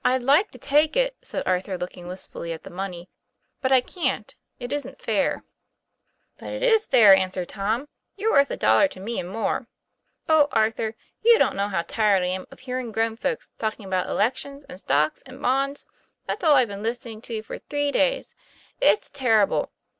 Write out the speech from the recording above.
" I'd like to take it," said Arthur, looking wistfully at the money, "But I can't. It isn't fair/ 1 138 TOM PL A YF AIR. "But it is fair," answered Tom. "You're worth a dollar to me, and more. O Arthur, you don't know how tired I am of hearing grown folks talking about elections and stocks and bonds. That's all I've been listening to for three days. It's terrible.